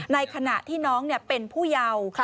ในขณะที่น้องเป็นผู้เยาว์